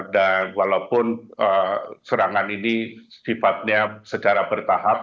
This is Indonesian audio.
dan walaupun serangan ini sifatnya secara bertahap